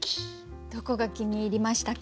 どこが気に入りましたか？